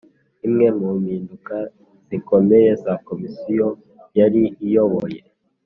Imwe mu mpinduka zikomeye za Komisiyo yari iyoboye